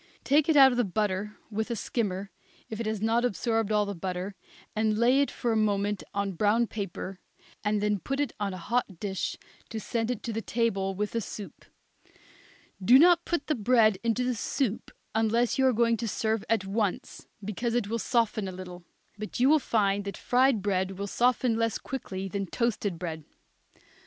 Take it out of the butter with a skimmer, if it has not absorbed all the butter, and lay it for a moment on brown paper, and then put it on a hot dish to send to the table with the soup. Do not put the bread into the soup unless you are going to serve at once, because it will soften a little; but you will find that fried bread will soften less quickly than toasted bread.